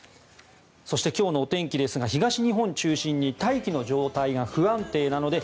そして、今日のお天気ですが東日本中心に大気の状態が不安定なので